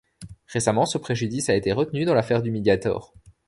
Récemment, ce préjudice a été retenu dans l'affaire du Mediator.